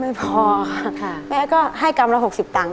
ไม่พอแม่ก็ให้กำละ๖๐ตังค์